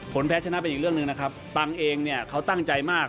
แพ้ชนะเป็นอีกเรื่องหนึ่งนะครับตังค์เองเนี่ยเขาตั้งใจมาก